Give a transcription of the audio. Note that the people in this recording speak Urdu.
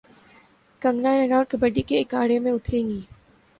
کنگنا رناوٹ کبڈی کے اکھاڑے میں اتریں گی